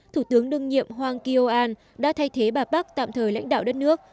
thủ tướng đương nhiệm hwang kyo an đã thay thế bà park tạm thời lãnh đạo đất nước